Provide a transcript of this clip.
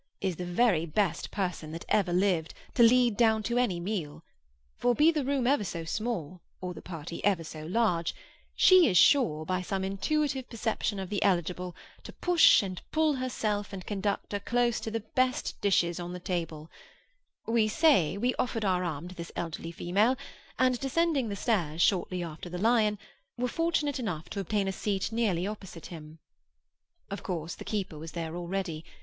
—is the very best person that ever lived, to lead down to any meal; for, be the room ever so small, or the party ever so large, she is sure, by some intuitive perception of the eligible, to push and pull herself and conductor close to the best dishes on the table;—we say we offered our arm to this elderly female, and, descending the stairs shortly after the lion, were fortunate enough to obtain a seat nearly opposite him. Of course the keeper was there already.